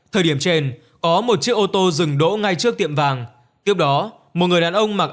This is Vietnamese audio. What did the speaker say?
thời điểm trên có một chiếc ô tô dừng đỗ ngay trước tiệm vàng tiếp đó một người đàn ông mặc